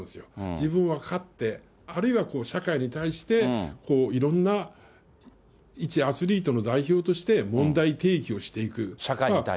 自分は勝って、あるいはこう、社会に対して、いろんな一アスリートの代表として問題提起をしていく。